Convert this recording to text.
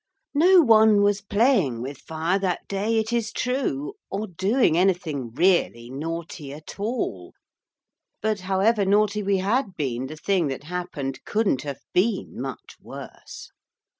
No one was playing with fire that day, it is true, or doing anything really naughty at all but however naughty we had been the thing that happened couldn't have been much worse.